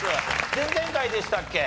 前々回でしたっけ？